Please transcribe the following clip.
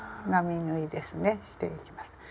並縫いですねしていきます。